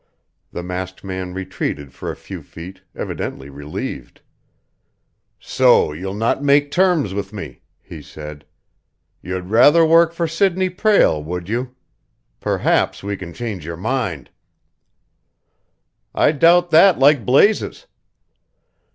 The masked man retreated for a few feet, evidently relieved. "So you'll not make terms with me," he said. "You'd rather work for Sidney Prale, would you? Perhaps we can change your mind." "I doubt that like blazes!"